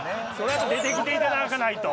出てきていただかないと！